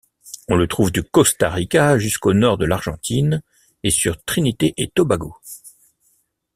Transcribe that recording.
On le trouve du Costa Rica jusqu'au nord de l'Argentine, et sur Trinité-et-Tobago.